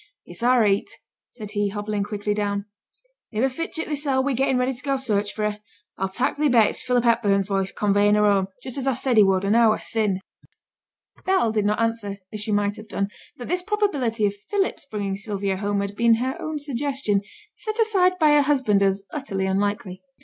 'It's a' reet!' said he, hobbling quickly down. 'Niver fidget theesel' wi' gettin' ready to go search for her. I'll tak' thee a bet it's Philip Hepburn's voice, convoying her home, just as I said he would, an hour sin'.' Bell did not answer, as she might have done, that this probability of Philip's bringing Sylvia home had been her own suggestion, set aside by her husband as utterly unlikely.